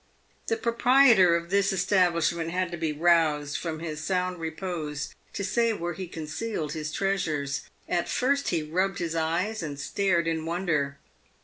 The proprietor of this establishment had to be aroused from his sound repose to say where he concealed his treasures. At first, he rubbed his eyes and stared in wonder.